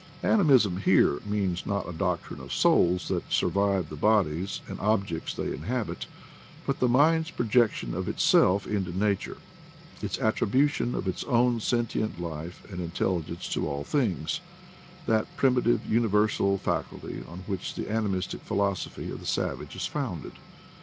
Animism here means not a doctrine of souls that survive the bodies and ob jects they inhabit, but the mind's projection of itself into nature, its attribution of its own sen tient life and intelligence to all things — that primitive universal faculty on which the animistic philosophy of the savage is founded.